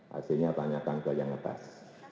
hasilnya tanyakan ke yang atas